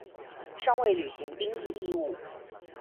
尙未履行兵役義務